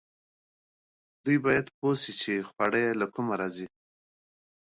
دوی غواړي پوه شي چې خواړه یې له کومه راځي.